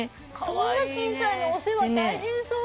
そんな小さいのお世話大変そう。